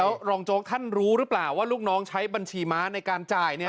แล้วรองโจ๊กท่านรู้หรือเปล่าว่าลูกน้องใช้บัญชีม้าในการจ่าย